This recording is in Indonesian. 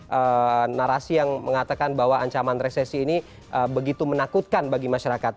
jadi narasi yang mengatakan bahwa ancaman resesi ini begitu menakutkan bagi masyarakat